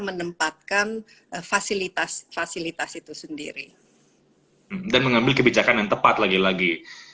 menempatkan fasilitas fasilitas itu sendiri dan mengambil kebijakan yang tepat lagi lagi